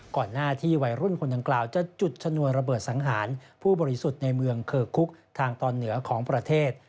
ก่อนหน้าที่วัยรุ่นคนดังกล่าวจะจุดชนวนระเบิดสังหารผู้บริสุทธิ์ในเมืองเคอร์คุกทางตอนเหนือของประเทศ